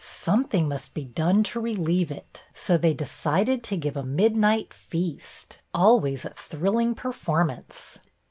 Something must be done to relieve it, so they decided to give a midnight feast, always a thrilling performance.